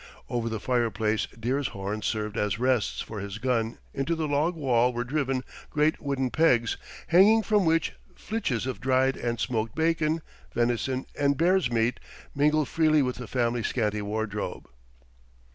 Over the fireplace deer's horns served as rests for his gun. Into the log wall were driven great wooden pegs, hanging from which flitches of dried and smoked bacon, venison, and bear's meat mingled freely with the family's scanty wardrobe.